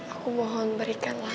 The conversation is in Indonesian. aku mohon berikanlah